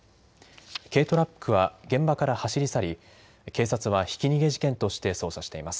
軽トラックは現場から走り去り警察はひき逃げ事件として捜査しています。